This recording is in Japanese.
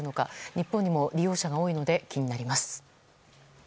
日本にも利用者が多いので気になります。